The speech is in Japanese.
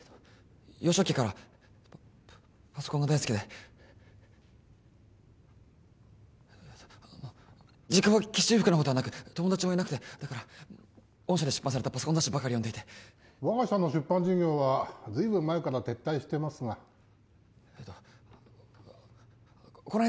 幼少期からパパソコンが大好きであの実家は決して裕福なほうではなく友達もいなくてだから御社で出版されたパソコン雑誌ばかり読んでいて我が社の出版事業は随分前から撤退してますがえっとこないだ